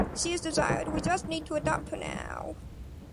She is desired, we just need to adopt her now.